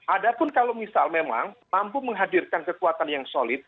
adapun kalau misal memang mampu menghadirkan kekuatan yang solid